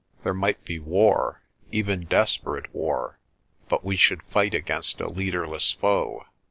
There might be war, even desperate war, but we should fight against a leaderless foe.